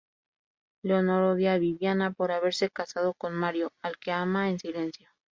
Leonor odia a Viviana por haberse casado con Mario, al que ama en silencio.